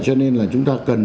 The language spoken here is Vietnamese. cho nên là chúng ta cần